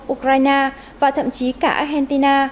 ukraine và thậm chí cả argentina